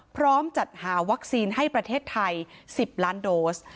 พร้อมจัดหาวัคซีนให้ประเทศไทย๑๐ล้านโดส